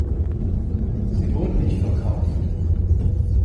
Sie wurden nicht verkauft.